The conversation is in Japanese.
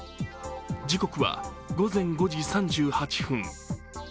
時刻は午前５時３８分。